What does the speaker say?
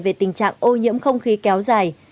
về tình trạng ô nhiễm không khí kéo dài